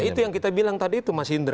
itu yang kita bilang tadi itu mas indra